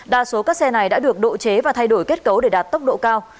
đa số các xe này đã được độ chế và thay đổi kết cấu để đạt tốc độ cao